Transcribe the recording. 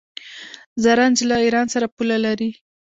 زرنج له ایران سره پوله لري.